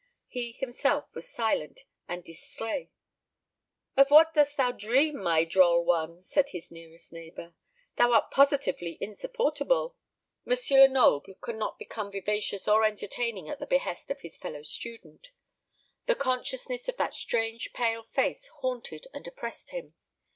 He himself was silent and distrait. "Of what dost thou dream, my droll one?" said his nearest neighbour. "Thou art positively insupportable." M. Lenoble could not become vivacious or entertaining at the behest of his fellow student. The consciousness of that strange pale face haunted and oppressed him.